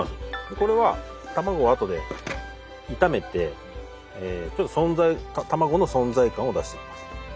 これは卵をあとで炒めてちょっと存在卵の存在感を出していきます。